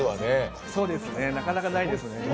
なかなかないですね。